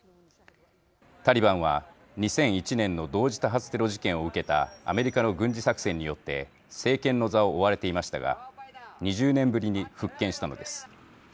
タリバンは２００１年の同時多発テロ事件を受けたアメリカの軍事作戦によって政権の座を追われていましたが２０年ぶりに復権したのです。